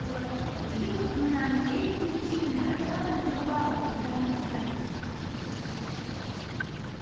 次の空欄ＡＢＣに当てはまる言葉をお答えください